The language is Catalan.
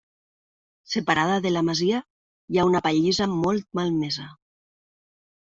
Separada de la masia hi ha una pallissa molt malmesa.